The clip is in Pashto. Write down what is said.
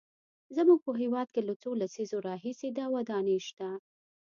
زموږ په هېواد کې له څو لسیزو راهیسې دا ودانۍ شته.